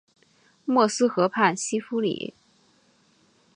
默斯河畔西夫里。